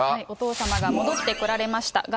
お父様が戻ってこられました。